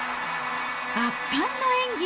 圧巻の演技。